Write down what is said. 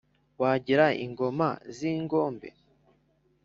wagira ingoma z’ingombe